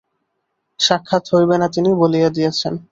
সাক্ষাৎ হইবে না তিনি বলিয়া দিয়াছেন।